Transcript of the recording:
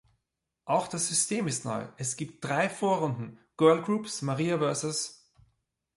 Auch das System ist neu: Es gibt drei Vorrunden: Girlgroups, Maria vs.